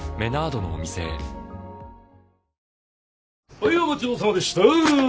はいお待ちどおさまでした。